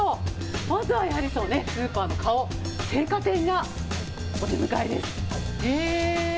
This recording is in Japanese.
まずはやはりスーパーの顔、青果店がお出迎えです。